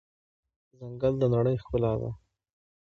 ځنګل د نړۍ ښکلا ده.